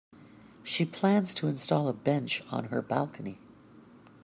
She plans to install a bench on her balcony.